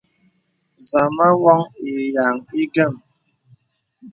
Zàmā wōŋ ìya ìguæm.